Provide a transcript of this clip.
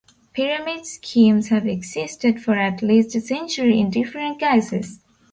Pyramid schemes have existed for at least a century in different guises.